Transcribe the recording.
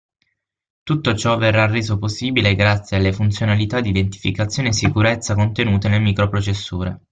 Tutto ciò verrà reso possibile grazie alle funzionalità di identificazione e sicurezza contenute nel microprocessore.